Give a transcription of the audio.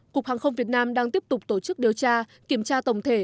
cục hàng không việt nam đang tiếp tục tổ chức điều tra kiểm tra tổng thể